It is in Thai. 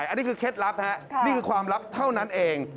อันนี้คือเคล็ดลับนี่คือความลับเท่านั้นเอง